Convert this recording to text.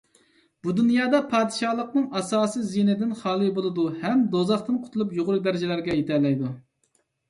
بۇ دۇنيادا پادىشاھلىقنىڭ ئاساسىي زىيىنىدىن خالىي بولىدۇ ھەم دوزاختىن قۇتۇلۇپ يۇقىرى دەرىجىلەرگە يېتەلەيدۇ.